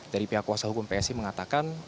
dari pihak kuasa hukum psi mengatakan